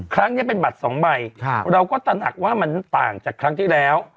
ครั้งนี้เป็นบัตรสองใบเราก็ตระหนักว่ามันต่างจากครั้งที่แล้ว